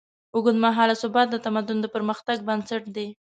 اوږدمهاله ثبات د تمدن د پرمختګ بنسټ دی.